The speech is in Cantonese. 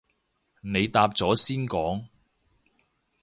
你答咗先講